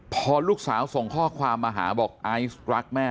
พอลูกสาวส่งข้อความมาหาบอกไอซ์รักแม่